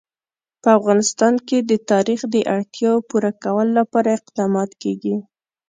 په افغانستان کې د تاریخ د اړتیاوو پوره کولو لپاره اقدامات کېږي.